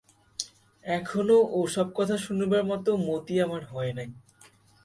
এখনো ও-সব কথা শুনিবার মতো মতি আমার হয় নাই।